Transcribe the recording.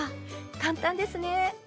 簡単ですね。